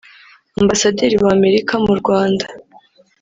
Ambasaderi w’Amerika mu Rwanda